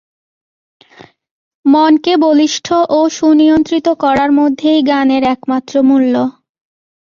মনকে বলিষ্ঠ ও সুনিয়ন্ত্রিত করার মধ্যেই জ্ঞানের একমাত্র মূল্য।